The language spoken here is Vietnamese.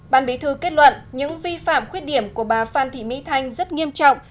ban bí thư kết luận những vi phạm khuyết điểm của bà phan thị mỹ thanh rất nghiêm trọng